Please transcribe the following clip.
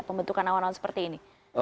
pembentukan awan awan seperti ini